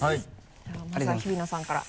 じゃあまずは日比野さんから。